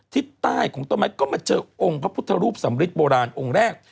ทิศใต้ของต้นไม้ก็มาเจอองค์พระพุทธรูปสำริดโบราณองค์แรก